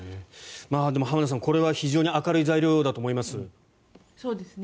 浜田さん、これは非常に明るい材料だと思います。